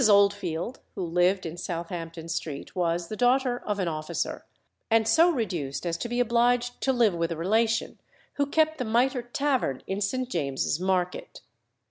Oldfield, who lived in Southampton Street, was the daughter of an officer, and so reduced as to be obliged to live with a relation who kept the Mitre Tavern in St. James's Market.